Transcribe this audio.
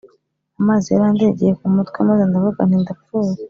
Amazi yarandengeye ku mutwe, Maze ndavuga nti “Ndapfuye.”